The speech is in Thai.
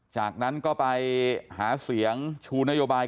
จากนั้นก็ไปหาเสียงชูนโยบาย